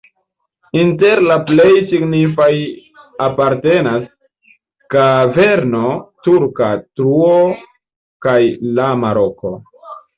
Inter la plej signifaj apartenas kaverno Turka truo kaj Lama Roko.